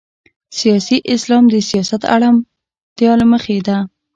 سیاسي اسلام د سیاست اړتیا له مخې ده.